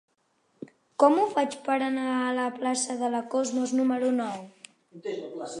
Com ho faig per anar a la plaça de la Cosmos número nou?